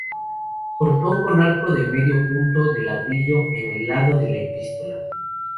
Portón con arco de medio punto de ladrillo en el lado de la Epístola.